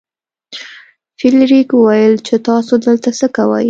فلیریک وویل چې تاسو دلته څه کوئ.